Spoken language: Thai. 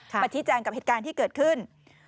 มาชี้แจงกับเหตุการณ์ที่เกิดขึ้น